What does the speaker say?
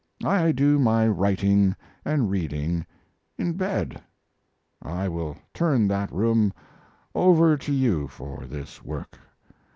I do my writing and reading in bed. I will turn that room over to you for this work.